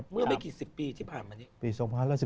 เมื่อเมื่อกี่สิบปีที่ผ่านมานี้